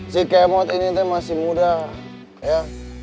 si kemot ini masih muda ya